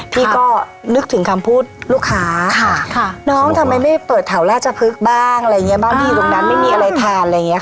พี่ก็นึกถึงคำพูดลูกค้าน้องทำไมไม่เปิดทาวราชพฤกษ์บ้างบ้างที่ตรงนั้นไม่มีอะไรทาน